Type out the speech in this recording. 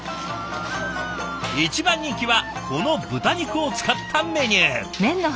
一番人気はこの豚肉を使ったメニュー。